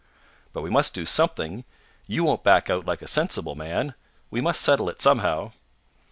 "But we must do something. You won't back out like a sensible man. We must settle it somehow."